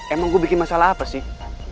emang gue bikin masalah apa sih